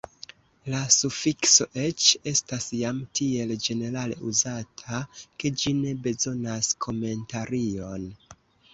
La sufikso _aĉ_ estas jam tiel ĝenerale uzata, ke ĝi ne bezonas komentarion.